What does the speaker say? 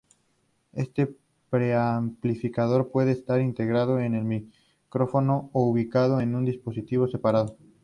Este preamplificador puede estar integrado en el micrófono o ubicado en un dispositivo separado.